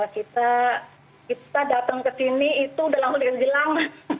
kita kita datang ke sini itu udah langsung dikasih jilang